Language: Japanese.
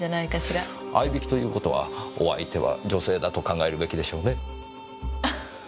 逢い引きという事はお相手は女性だと考えるべきでしょうね。